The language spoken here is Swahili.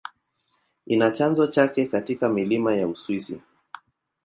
Ina chanzo chake katika milima ya Uswisi.